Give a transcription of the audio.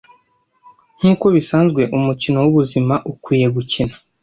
Nkuko bisanzwe, umukino wubuzima ukwiye gukina.